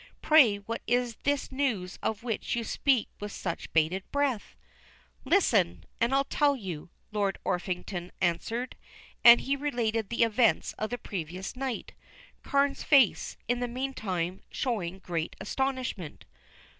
Pray what is this news of which you speak with such bated breath?" "Listen, and I'll tell you," Lord Orpington answered, and he related the events of the previous night, Carne's face, in the meantime, showing great astonishment.